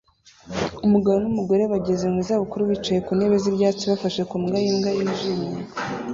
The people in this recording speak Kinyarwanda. Umugabo n'umugore bageze mu zabukuru bicaye ku ntebe z'ibyatsi bafashe ku mbwa y'imbwa yijimye